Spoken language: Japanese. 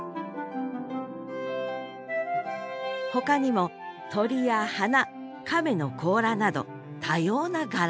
ほかにも鳥や花亀の甲羅など多様な柄があるそうです